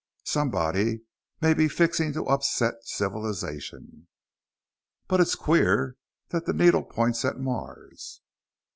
Somebody may be fixing to upset civilization! "But it's queer that the needle points at Mars...."